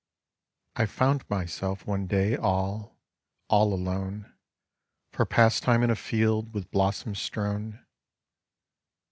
I found myself one day all, all alone, For pastime in a field with blossoms strewn.